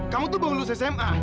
kamu tuh belum lulus sma